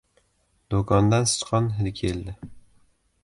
Do‘kondan sichqon hidi keldi.